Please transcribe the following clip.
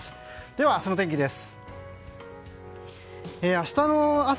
では、明日の天気です。